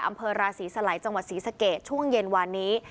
อำเภอราศีสลัยจังหวัดศรีสะเกดช่วงเย็นวานนี้